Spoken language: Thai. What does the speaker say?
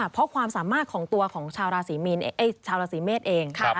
เพราะความสามารถของตัวของชาวราศีเมธเอง